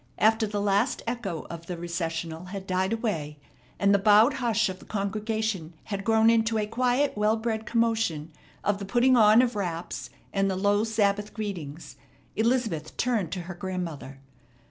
After the last echo of the recessional had died away, and the bowed hush of the congregation had grown into a quiet, well bred commotion of the putting on of wraps and the low Sabbath greetings, Elizabeth turned to her grandmother.